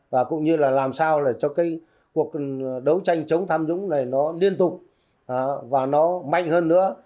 và cũng như là làm sao để cho cái cuộc đấu tranh chống tham nhũng này nó liên tục và nó mạnh hơn nữa